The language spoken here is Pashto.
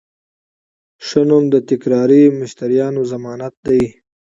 ښه نوم د تکراري مشتریانو ضمانت دی.